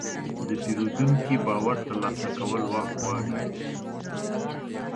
د پیرودونکي باور ترلاسه کول وخت غواړي.